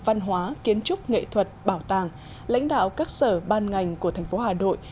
văn hóa kiến trúc nghệ thuật bảo tàng lãnh đạo các sở ban ngành của thành phố hà nội